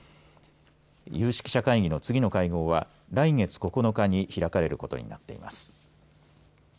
有識者会議の次の会合は来月９日に開かれることになっています。